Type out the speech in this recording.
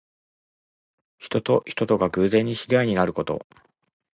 人と人とが偶然に知り合いになること。